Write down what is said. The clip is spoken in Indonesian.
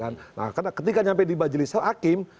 nah karena ketika sampai di majelis hakim